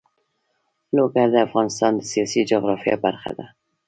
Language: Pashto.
لوگر د افغانستان د سیاسي جغرافیه برخه ده.